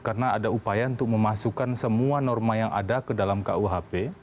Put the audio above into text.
karena ada upaya untuk memasukkan semua norma yang ada ke dalam kuhp